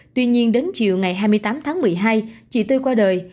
tuy nhiên đến chiều ngày hai mươi tám tháng một mươi hai chị tư qua đời